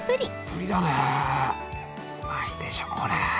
うまいでしょこれ。